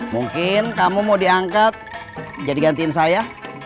mungkin kamu mau diangkat jadi gantiin saya